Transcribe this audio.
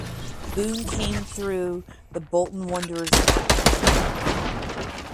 Boon came through the Bolton Wanderers Academy.